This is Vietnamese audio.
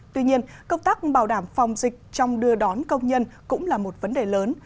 tuy nhiên công tác bảo đảm phòng dịch trong đưa đón công nhân cũng là một vấn đề lớn